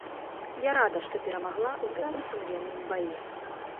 Я рада, што перамагла ў такім сумленным баі.